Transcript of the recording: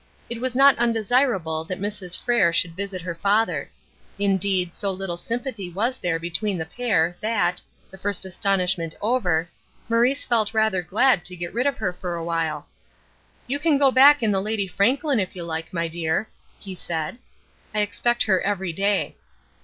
It was not undesirable that Mrs. Frere should visit her father; indeed, so little sympathy was there between the pair that, the first astonishment over, Maurice felt rather glad to get rid of her for a while. "You can go back in the Lady Franklin if you like, my dear," he said. "I expect her every day."